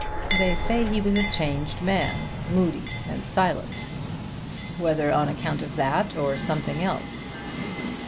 They say he was a changed man, moody and silent whether on account of that or something else.